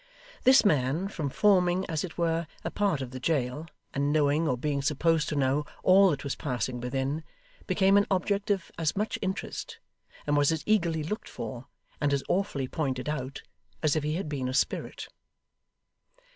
This man, from forming, as it were, a part of the jail, and knowing or being supposed to know all that was passing within, became an object of as much interest, and was as eagerly looked for, and as awfully pointed out, as if he had been a spirit.